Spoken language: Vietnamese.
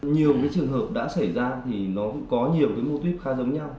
nhiều cái trường hợp đã xảy ra thì nó có nhiều cái mô tuyết khá giống nhau